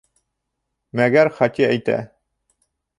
Мәгәр Хати әйтә...